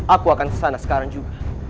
aku akan kesana sekarang juga